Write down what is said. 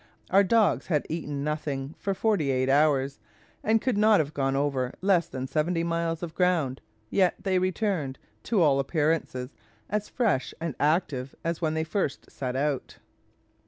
Our dogs had eaten nothing for forty eight hours, and could not have gone over less than seventy miles of ground; yet they returned, to all appearance, as fresh and active as when they first set out."